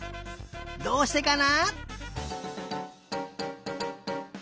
どうしてかな？